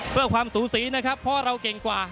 เพื่อความสูสีนะครับเพราะเราเก่งกว่า